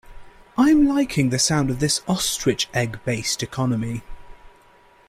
I'm liking the sound of this ostrich egg based economy.